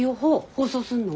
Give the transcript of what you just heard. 放送すんの？